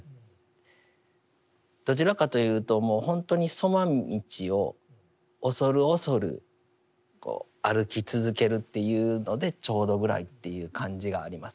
どちらかというともうほんとに杣道を恐る恐る歩き続けるというのでちょうどぐらいっていう感じがあります。